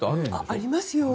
ありますよ。